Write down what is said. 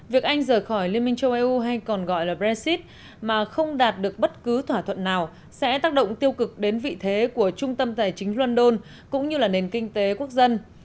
việc anh rời khỏi liên minh châu âu hay còn gọi là brexit mà không đạt được bất cứ thỏa thuận nào sẽ tác động tiêu cực đến vị thế của trung tâm tài chính london cũng như là nền kinh tế quốc dân